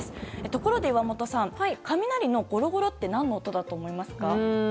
ところで岩本さん雷のゴロゴロって何の音だと思いますか？